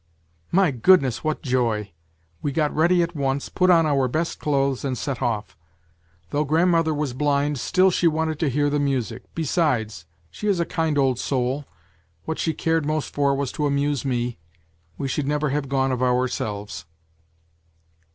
" My goodness, what joy ! We got ready at once, put on our best clothes, and set off. Though grandmother was blind, still she wanted to hear the music ; besides, she is a kind old soul, what she cared most for was to amuse me, we should never have gone of ourselves.